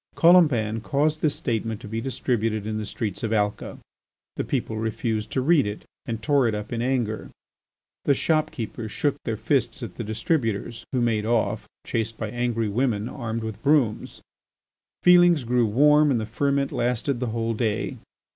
Colomban caused this statement to be distributed in the streets of Alca. The people refused to read it and tore it up in anger. The shop keepers shook their fists at the distributers, who made off, chased by angry women armed with brooms. Feelings grew warm and the ferment lasted the whole day.